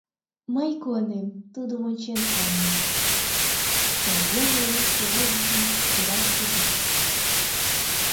Мый куанем, тудым ончен куанем, — Соловьёва уэш пеледышым кӱраш пижеш.